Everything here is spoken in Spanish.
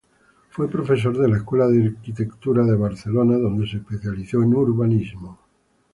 Fue profesor de la Escuela de Arquitectura de Barcelona donde se especializó en urbanismo.